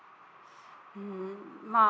うんまあ